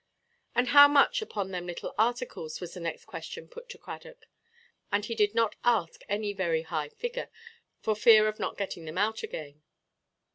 "And how much upon them little articles?" was the next question put to Cradock; and he did not ask any very high figure, for fear of not getting them out again.